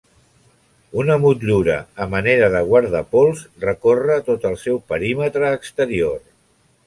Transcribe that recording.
Una motllura a manera de guardapols recorre tot el seu perímetre exterior.